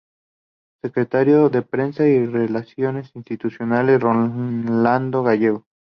Secretario de Prensa y Relaciones Institucionales: Rolando Gallego.